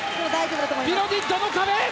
ビロディッドの壁！